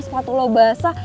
sepatu lo basah